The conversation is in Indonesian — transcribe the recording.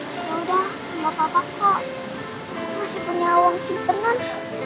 yaudah kalau kakak kok masih punya uang simpenan